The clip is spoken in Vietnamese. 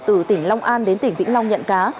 từ tỉnh long an đến tỉnh vĩnh long nhận cá